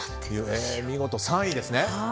見事３位ですね。